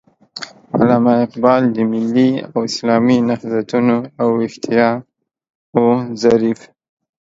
علامه اقبال د ملي او اسلامي نهضتونو او ويښتياو ظريف